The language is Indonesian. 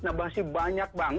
nah masih banyak banget